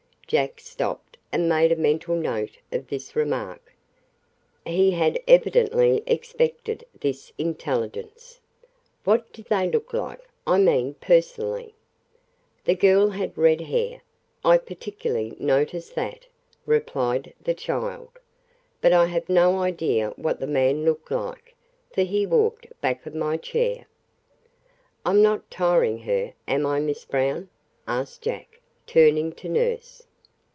Jack stopped and made a mental note of this remark. He had evidently expected this intelligence. "What did they look like I mean personally?" "The girl had red hair I particularly noticed that," replied the child; "but I have no idea what the man looked like, for he walked back of my chair." "I'm not tiring her, am I, Miss Brown?" asked Jack, turning to the nurse.